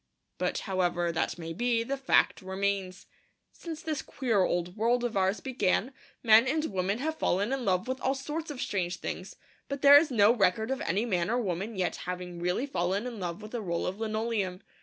But however that may be, the fact remains. Since this queer old world of ours began, men and women have fallen in love with all sorts of strange things; but there is no record of any man or woman yet having really fallen in love with a roll of linoleum.